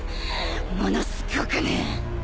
ものすごくね。